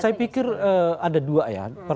saya pikir ada dua ya